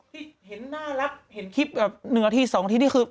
พี่เห็นหน้ารักเห็นคลิปแบบ๑๒ที่ที่คือ